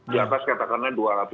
di atas katakan dua ratus tiga ratus